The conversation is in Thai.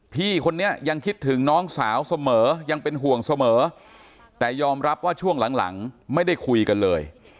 พี่คนนี้ยังคิดถึงน้องสาวเสมอยังเป็นห่วงเสมอแต่ยอมรับว่าช่วงหลังไม่ได้คุยกันเลย